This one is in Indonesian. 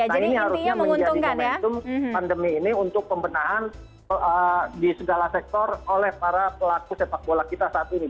nah ini harusnya menjadi momentum pandemi ini untuk pembenahan di segala sektor oleh para pelaku sepak bola kita saat ini